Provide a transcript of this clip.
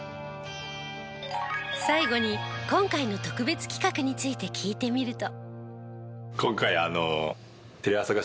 最後に今回の特別企画について聞いてみると。